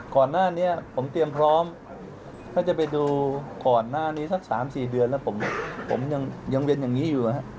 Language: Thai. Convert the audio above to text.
ก่อนหน้านี้ผมเตรียมพร้อมถ้าจะไปดูก่อนหน้านี้สัก๓๔เดือนแล้วผมยังเวียนอย่างนี้อยู่นะครับ